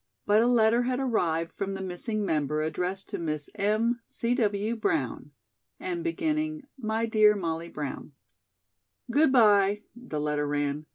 But a letter had arrived from the missing member addressed to "Miss M. C. W. Brown," and beginning: "My Dear Molly Brown." "Good bye," the letter ran.